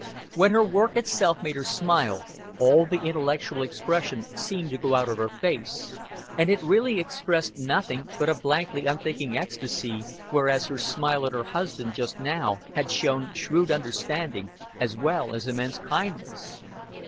When her work itself made her smile, all the intellectual expression seemed to go out of her face, and it really expressed nothing but a blankly unthinking ecstasy, whereas her smile at her husband just now had shown shrewd understanding, as well as immense kindness.